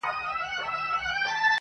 فيصله د اسمانو د عدالت ده!!